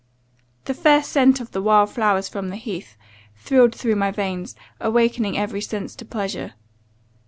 The first scent of the wild flowers from the heath, thrilled through my veins, awakening every sense to pleasure.